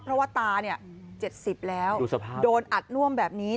เพราะว่าตาเนี่ย๗๐แล้วโดนอัดน่วมแบบนี้